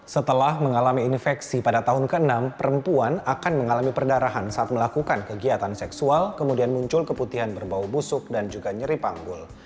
setelah mengalami infeksi pada tahun ke enam perempuan akan mengalami perdarahan saat melakukan kegiatan seksual kemudian muncul keputihan berbau busuk dan juga nyeri panggul